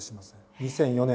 ２００４年。